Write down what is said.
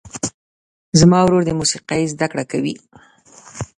زما ورور د موسیقۍ زده کړه کوي.